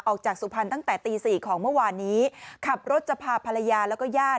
สุพรรณตั้งแต่ตีสี่ของเมื่อวานนี้ขับรถจะพาภรรยาแล้วก็ญาติ